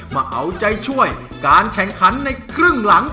มาเอาใจช่วยการแข่งขันในครึ่งหลัง